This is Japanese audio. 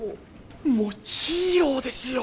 もうヒーローですよ